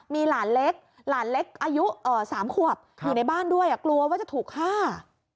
มีหลานเล็กหลานเล็กอายุ๓ขวบอยู่ในบ้านด้วยกลัวว่าจะถูกฆ่า